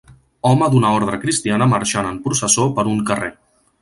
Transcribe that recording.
Home d'una ordre cristiana marxant en processó per un carrer.